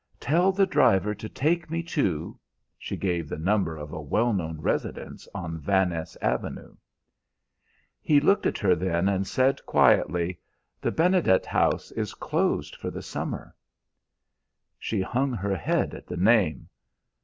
Tell the driver to take me to ' she gave the number of a well known residence on Van Ness Avenue. "He looked at her then, and said quietly, 'The Benedet house is closed for the summer.' "She hung her head at the name.